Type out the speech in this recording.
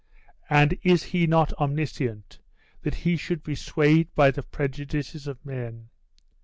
And is he not omniscient, that he should be swayed by the prejudices of men?